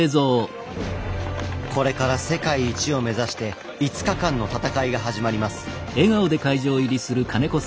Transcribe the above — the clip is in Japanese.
これから世界一を目指して５日間の戦いが始まります。